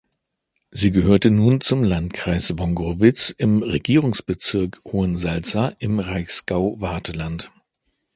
Sie gehörte nun zum Landkreis Wongrowitz im Regierungsbezirk Hohensalza im Reichsgau Wartheland.